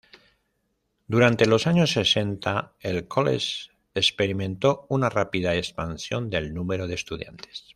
Durante los años sesenta el college experimentó una rápida expansión del número de estudiantes.